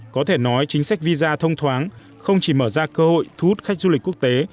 có thể nói chính sách visa thông thoáng không chỉ mở ra cơ hội thu hút khách du lịch quốc tế